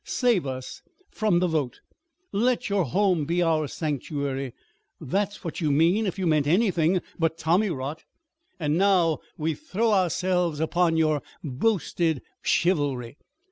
Save us from the vote! Let your home be our sanctuary. That's what you mean if you meant anything but tommy rot. Here and now we throw ourselves upon your boasted chivalry.